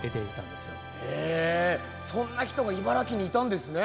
そんな人が茨城にいたんですね。